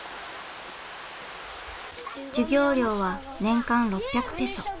授業料は年間６００ペソ。